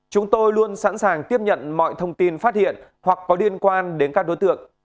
chúng tôi luôn sẵn sàng tiếp nhận mọi thông tin phát hiện hoặc có liên quan đến các đối tượng